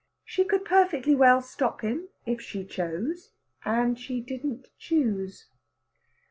She could perfectly well stop him if she chose, and she didn't choose.